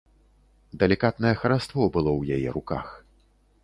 Далікатнае хараство было ў яе руках.